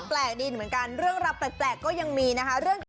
ปล่อยดีเหมือนกันเรื่องรับแปลกก็ยังมีนะ